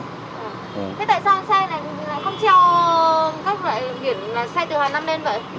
thế tại sao xe này không cho các loại chuyển xe từ hà nam lên vậy